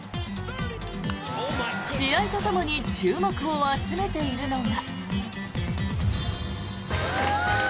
試合とともに注目を集めているのが。